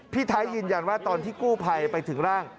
พี่ไทยยืนยันว่าตอนที่กู้ภัยไปถึงร่าง